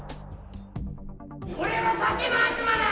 俺は酒の悪魔だ！